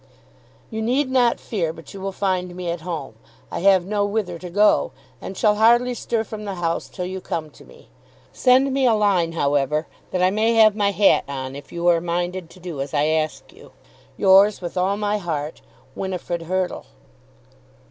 You need not fear but you will find me at home. I have no whither to go, and shall hardly stir from the house till you come to me. Send me a line, however, that I may have my hat on if you are minded to do as I ask you. Yours with all my heart, WINIFRID HURTLE.